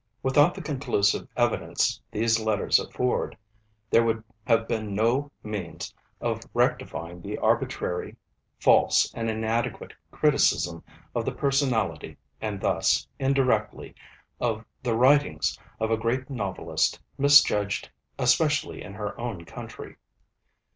Without the conclusive evidence these Letters afford, there would have been no means of rectifying the arbitrary, false, and inadequate criticism of the personality, and thus, indirectly, of the writings, of a great novelist misjudged especially in her own country.